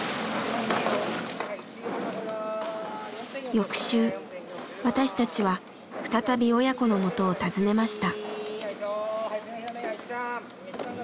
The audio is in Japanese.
翌週私たちは再び親子の元を訪ねました。